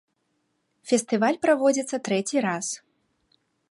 Фестываль праводзіцца трэці раз.